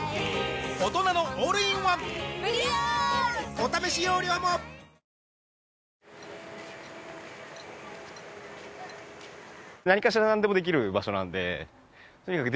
お試し容量も何かしら何でもできる場所なんでとにかく